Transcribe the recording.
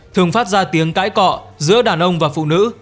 thường phát ra tiếng cãi cọ giữa đàn ông và phụ nữ